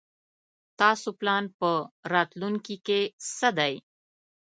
تاسو پلان په راتلوونکي کې څه دی ؟